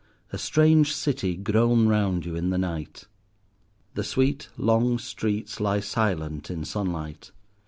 A strange city grown round you in the night. The sweet long streets lie silent in sunlight.